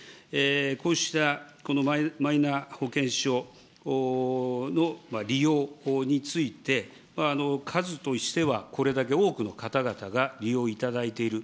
こうした、このマイナ保険証の利用について、数としてはこれだけ多くの方々が利用いただいている。